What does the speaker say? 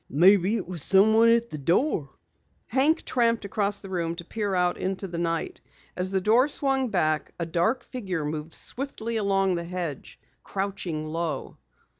"Maybe it was someone at the door." Hank tramped across the room to peer out into the night. As the door swung back, a dark figure moved swiftly along the hedge, crouching low.